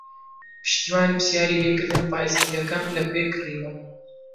پشتیوان پرسیاری لێ کردم پایسکلەکەم لەکوێ کڕیوە.